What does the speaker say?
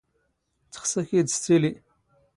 ⵜⵅⵙ ⴰⴽⵉⴷⵙ ⵜⵉⵍⵉ.